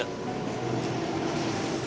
kamu tau kenapa